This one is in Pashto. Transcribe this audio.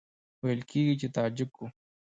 ویل کېږي چې تاجک وو.